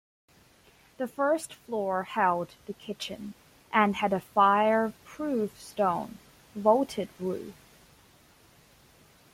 The first floor held the kitchen, and had a fire-proof stone-vaulted roof.